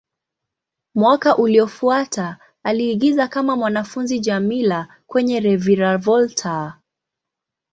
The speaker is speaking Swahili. Mwaka uliofuata, aliigiza kama mwanafunzi Djamila kwenye "Reviravolta".